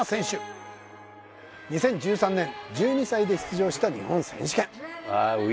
２０１３年１２歳で出場した日本選手権